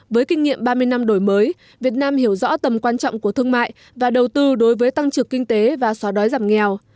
với kinh nghiệm ba mươi năm đổi mới việt nam hiểu rõ tầm quan trọng của thương mại và đầu tư đối với tăng trưởng kinh tế và xóa đói giảm nghèo